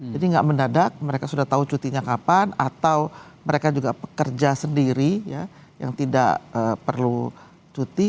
jadi gak mendadak mereka sudah tahu cutinya kapan atau mereka juga pekerja sendiri ya yang tidak perlu cuti